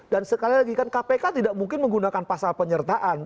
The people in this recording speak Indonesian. dan sekali lagi kan kpk tidak mungkin menggunakan pasal penyertaan